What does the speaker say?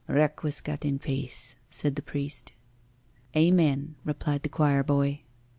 'Requiescat in pace,' said the priest. 'Amen,' replied the choirboy.